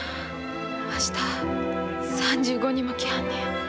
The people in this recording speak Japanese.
明日３５人も来はんねん。